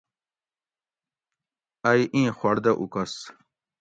ائ ایں خوڑ دہ اُکس